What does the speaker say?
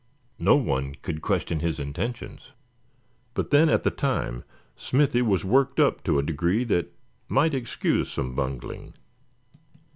No one could question his intentions; but then at the time Smithy was worked up to a degree that might excuse some bungling.